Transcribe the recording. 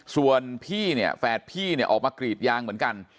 ส่วนพี่เนี่ยแฝดพี่เนี่ยออกมากรีดยางเหมือนกัน